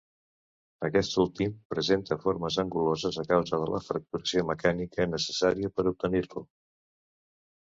Aquest últim presenta formes anguloses a causa de la fracturació mecànica necessària per obtenir-lo.